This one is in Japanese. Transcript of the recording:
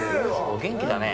元気だね。